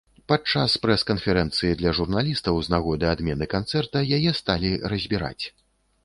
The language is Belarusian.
Падчас прэс-канферэнцыі для журналістаў з нагоды адмены канцэрта яе сталі разбіраць.